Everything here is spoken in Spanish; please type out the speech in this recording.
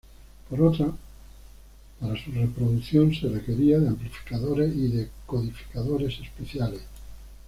Por otro, para su reproducción se requería de amplificadores y decodificadores especiales.